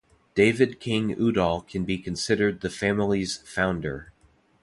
David King Udall can be considered the family's founder.